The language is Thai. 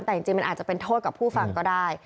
แต่จริงมันอาจจะเป็นโทษกับผู้ฟังก็ได้